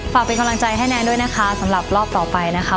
เป็นกำลังใจให้แนนด้วยนะคะสำหรับรอบต่อไปนะคะ